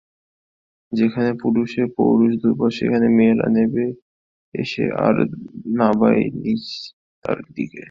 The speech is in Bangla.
যেখানে পুরুষের পৌরুষ দুর্বল সেখানেই মেয়েরা নেবে আসে আর নাবায় নীচতার দিকে।